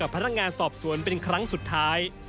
พนักงานสอบสวนเป็นครั้งสุดท้าย